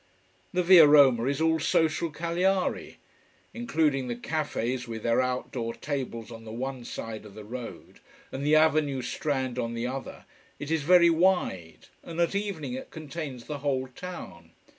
The Via Roma is all social Cagliari. Including the cafés with their outdoor tables on the one side of the road, and the avenue strand on the other, it is very wide, and at evening it contains the whole town.